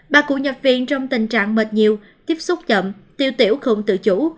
bà cụ nhập viện trong tình trạng mệt nhiều tiếp xúc chậm tiêu tiểu không tự chủ